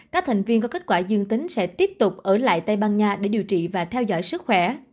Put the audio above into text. các thành viên có kết quả dương tính sẽ tiếp tục ở lại tây ban nha để điều trị và theo dõi sức khỏe